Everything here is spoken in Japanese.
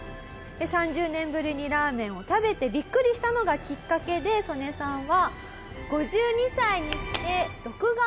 ３０年ぶりにラーメンを食べてビックリしたのがきっかけでソネさんは。